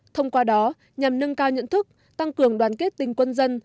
thông qua đó nhằm nâng cao nhận thức tăng cường đoàn kết tình quân dân